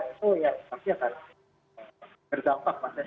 itu yang pasti akan berdampak mas